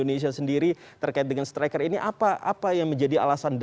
hingga nantinya kita serahkan ke yang bersyakutan